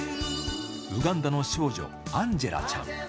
ウガンダの少女、アンジェラちゃん。